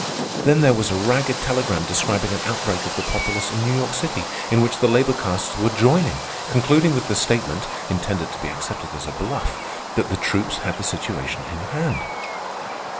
Then there was a ragged telegram describing an outbreak of the populace in New York City, in which the labor castes were joining, concluding with the statement (intended to be accepted as a bluff) that the troops had the situation in hand.